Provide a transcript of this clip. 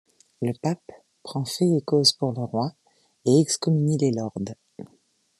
Le pape prend fait et cause pour le roi, et excommunie les lords.